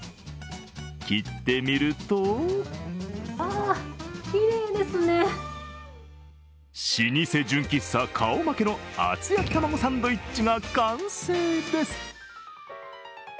切ってみると老舗純喫茶顔負けの厚焼き卵サンドイッチが完成です。